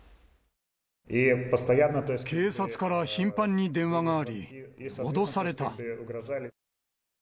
警察から頻繁に電話があり、脅された。